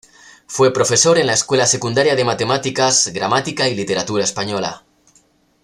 Fue profesor en la escuela secundaria de matemáticas, gramática y literatura española.